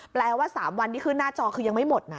แปลว่า๓วันที่ขึ้นหน้าจอคือยังไม่หมดนะ